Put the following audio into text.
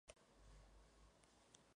Posteriormente combatió en Holanda.